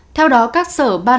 theo đó các sở ban